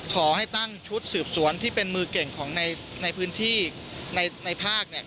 ขอให้ตั้งชุดสืบสวนที่เป็นมือเก่งของในพื้นที่ในภาค